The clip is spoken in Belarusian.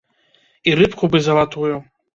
І рыбку бы залатую.